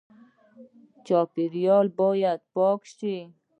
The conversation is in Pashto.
چاپیریال باید پاک شي